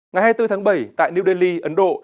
ngày hai mươi bốn tháng bảy tại new delhi ấn độ